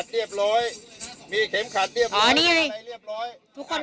อุจจรดิตนี่ไปอุจจรดิตกลับบ้านใช่ไหม